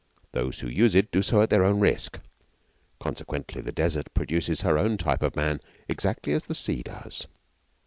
Those who use it do so at their own risk. Consequently the Desert produces her own type of man exactly as the sea does.